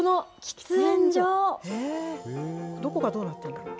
どこがどうなって？